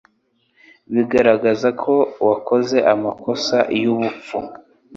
Bigaragara ko wakoze amakosa yubupfu